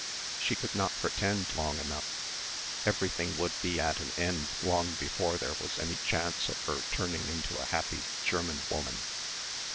She could not pretend long enough. Everything would be at an end long before there was any chance of her turning into a happy German woman.